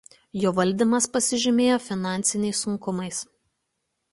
Jo valdymas pasižymėjo finansiniais sunkumais.